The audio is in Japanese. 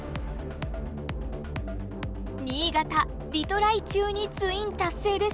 新潟リトライ中にツイン達成です。